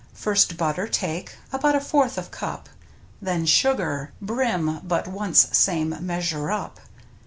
First butter take, about a fourth of cup, Then sugar — brim but once same meas ure up.